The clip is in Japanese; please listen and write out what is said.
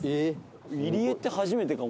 入り江って初めてかも。